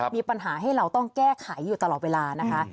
มีปัญหาให้เราต้องแก้ไขอยู่ตลอดเวลานะคะ